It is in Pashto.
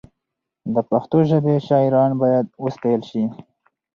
د پښتو ژبې شاعران باید وستایل شي.